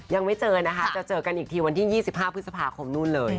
ยังไม่เจอนะคะจะเจอกันอีกทีวันที่๒๕พฤษภาคมนู่นเลย